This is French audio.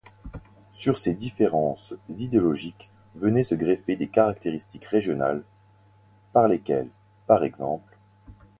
Sur ces différences idéologiques venaient se greffer des caractéristiques régionales ― par lesquelles p.ex.